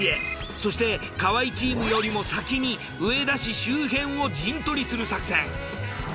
そして河合チームよりも先に上田市周辺を陣取りする作戦。